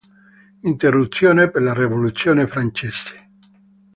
Interruzione per la Rivoluzione francese